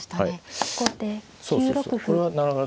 後手９六歩。